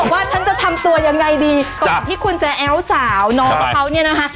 ว่าฉันจะทำตัวยังไงดีก่อนที่คุณจะแอ้วสาวน้องเขาเนี่ยนะคะ